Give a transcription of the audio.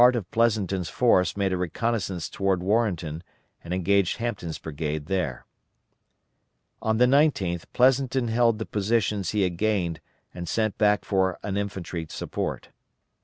Part of Pleasonton's force made a reconnoissance toward Warrenton and engaged Hampton's brigade there. On the 19th Pleasonton held the positions he had gained and sent back for an infantry support.